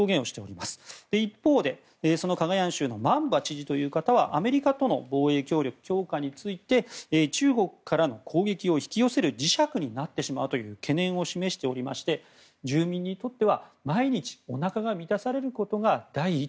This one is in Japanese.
一方でカガヤン州のマンバ知事はアメリカとの防衛協力強化について中国からの攻撃を引き寄せる磁石になってしまうという懸念を示していまして住民にとっては、毎日おなかが満たされることが第一。